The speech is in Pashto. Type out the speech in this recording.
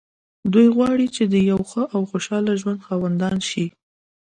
دوی غواړي چې د يوه ښه او خوشحاله ژوند خاوندان شي.